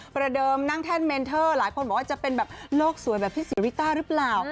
ประเดิมนั่งแท่นเมนเตอร์ไม่ปลอดภัยาวจะเป็นแบบโลกสวยเหลือเปล่า